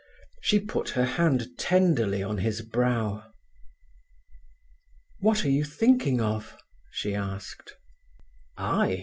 She put her hand tenderly on his brow. "What are you thinking of?" she asked. "I?"